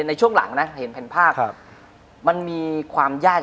ในช่วงหลังนะเห็นภาคมันมีความยากยังไงครับ